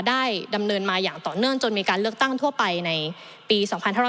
ดำเนินมาอย่างต่อเนื่องจนมีการเลือกตั้งทั่วไปในปี๒๕๕๙